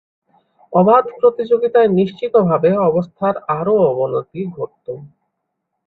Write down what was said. অবাধ প্রতিযোগিতায় নিশ্চিতভাবে অবস্থার আরও অবনতি ঘটত।